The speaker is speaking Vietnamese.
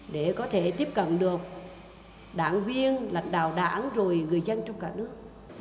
để có thể tiếp cận được đảng viên lãnh đạo đảng rồi người dân trong cả nước